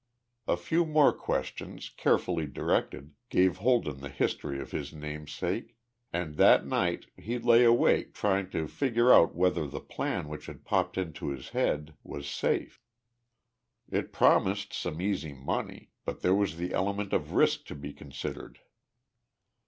A few more questions, carefully directed, gave Holden the history of his namesake, and that night he lay awake trying to figure out whether the plan which had popped into his head was safe. It promised some easy money, but there was the element of risk to be considered.